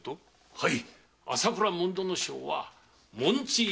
はい！